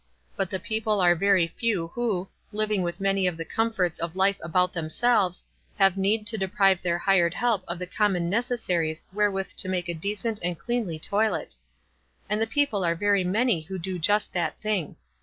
But the people are very few who, living with many of the comforts of life about themselves, have need to deprive their hired help of the common necessaries wherewith to make a decent and cleanly toilet. And the people are very many who do just that thing.